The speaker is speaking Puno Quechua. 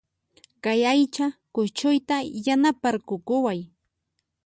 Kay aycha kuchuyta yanaparqukuway